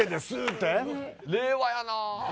令和やな。